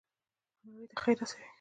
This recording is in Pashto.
او نړۍ ته خیر ورسوي.